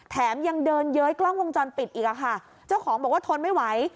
แถมยังเดินเย้ยกล้องวงจรปิดอีกอ่ะค่ะเจ้าของบอกว่าทนไม่ไหว